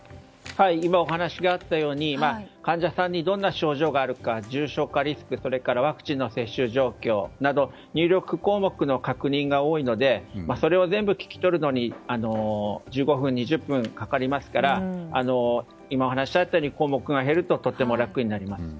今お話があったように患者さんにどんな症状があるか重症化リスクそれからワクチンの接種状況など入力項目の確認が多いのでそれを全部聞き取るのに１５分、２０分かかりますから今、お話があったように項目が減るととても楽になります。